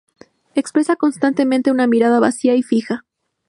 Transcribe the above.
Expresa constantemente una mirada vacía y fija.